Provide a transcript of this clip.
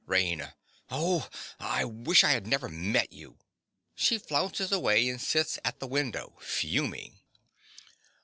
RAINA. Oh, I wish I had never met you. (_She flounces away and sits at the window fuming.